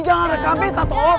jangan rekam bete toh